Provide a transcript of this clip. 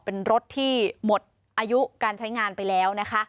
เป็นรถที่หมดอายุการใช้งานไปแล้วนะคะ